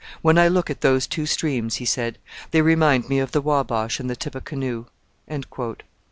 'When I look at those two streams,' he said, 'they remind me of the Wabash and the Tippecanoe.'